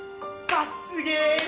罰ゲーム！